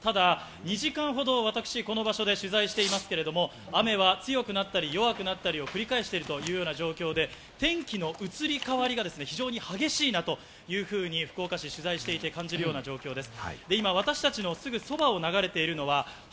ただ、２時間ほど私この場所で取材していますけれど、雨は強くなったり弱くなったりを繰り返しているというような状況で、天気の移り変わりが非常に激しいなというふうに、福岡市を取材していて感じる状況です。